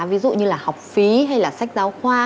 ví dụ như là học phí hay là sách giáo khoa